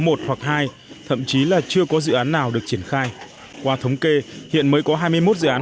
một hoặc hai thậm chí là chưa có dự án nào được triển khai qua thống kê hiện mới có hai mươi một dự án